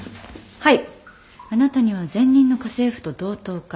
はい。